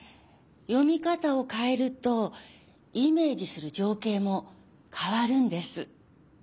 読み方をかえるとイメージするじょうけいもかわるんです。